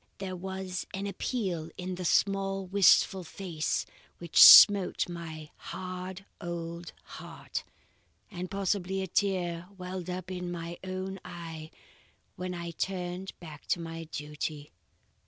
There was an appeal in the small wistful face which smote my hard old heart, and possibly a tear welled up in my own eye when I turned back to my duty."